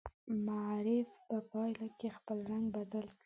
معرف په پایله کې خپل رنګ بدل کړي.